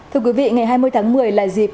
thưa quý vị ngày hai mươi tháng một mươi là dịp